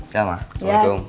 ya ma assalamualaikum